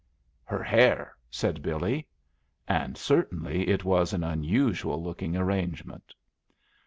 "Her hair," said Billy. And certainly it was an unusual looking arrangement.